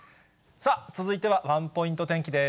さあ、続いてはワンポイント天気です。